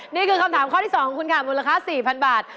นี่คือคำถามข้อที่๒ของคุณค่ะมูลค่า๔๐๐๐บาท